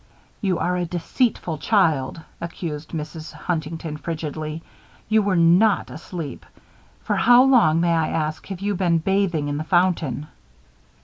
"You are a deceitful child," accused Mrs. Huntington, frigidly. "You were not asleep. For how long, may I ask, have you been bathing in the fountain?"